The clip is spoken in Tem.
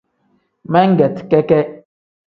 Meegeti keke.